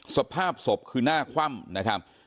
สภาพศพคือหน้าคว่ำนะครับ